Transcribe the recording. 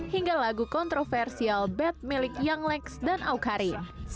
hingga lagu kontroversial bad milik young lex dan awkari